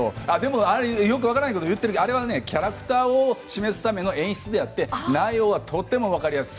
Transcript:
よくわからないことを言っていますがあれはキャラクターを示すための演出であって内容はとてもわかりやすい。